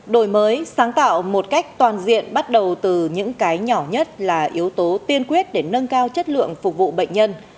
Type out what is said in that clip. đổi mới sáng tạo một cách toàn diện bắt đầu từ những cái nhỏ nhất là yếu tố tiên quyết để nâng cao chất lượng phục vụ bệnh nhân